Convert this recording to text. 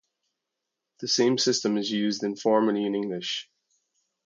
The same system is used informally in English.